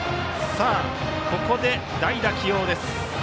ここで代打起用です。